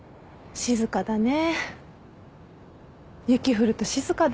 静かだねー！